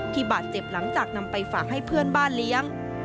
บาดเจ็บหลังจากนำไปฝากให้เพื่อนบ้านเลี้ยง